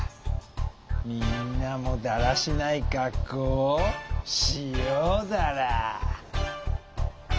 みんなもだらしないかっこうをしようダラ。